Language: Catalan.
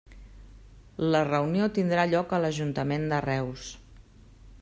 La reunió tindrà lloc a l'Ajuntament de Reus.